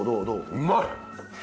うまい！